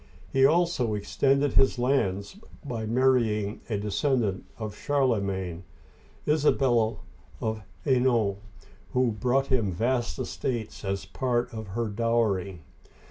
He also extended his lands by marrying a de scendant of Charlemagne, Isabella of Hainault(e n5'), who brought him vast estates as part of her dowry.